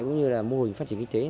cũng như là mô hình phát triển kinh tế